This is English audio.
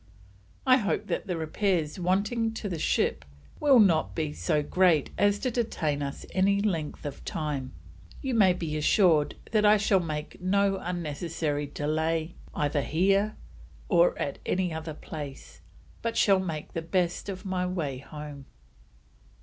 I hope that the repairs wanting to the Ship will not be so great as to detain us any length of time; You may be assured that I shall make no unnecessary delay either here or at any other place, but shall make the best of my way home."